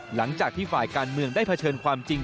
หลังจากที่ฝ่ายการเมืองได้เผชิญความจริง